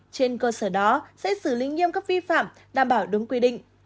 trên cơ sở đó sẽ xử lý nghiêm các vi phạm đảm bảo đúng quy định